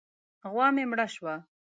غوا مې مړه شوه.